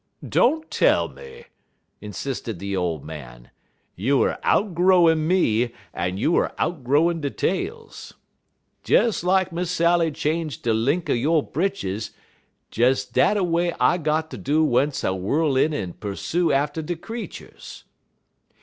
"Don't tell me!" insisted the old man, "you er outgrowin' me, en you er outgrowin' de tales. Des lak Miss Sally change de lenk er yo' britches, des dat a way I got ter do w'ence I whirl in en persoo atter de creeturs.